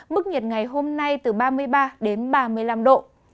mức nhiệt ngày hôm nay từ ba mươi ba đến ba mươi năm độ